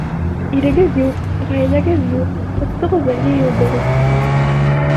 Ирегеҙ юҡ, ғаиләгеҙ юҡ, тоттоғоҙ ҙа йыйылдығыҙ!